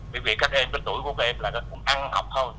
bởi vì các em với tuổi của các em là cũng ăn học thôi